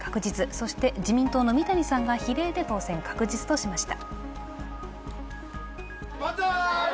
そして、自民党の三谷さんが比例で当選確実としました。